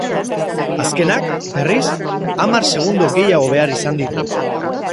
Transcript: Azkenak, berriz, hamar segundo gehiago behar izan ditu.